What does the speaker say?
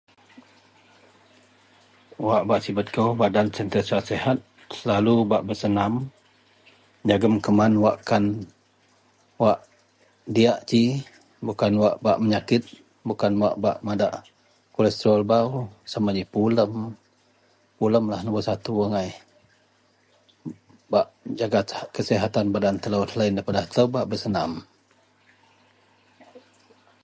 Wak bak sibet kou badan bak sihat selalu bak bersenam jegum keman wakkan wak diyak ji bukan wak bak meyakit bukan wak bak madak kolestrol baaw sama ji pulem, pulemlah nombor satu agai, bak mejaga kasihatan badan telou selain daripada telou bak bersenam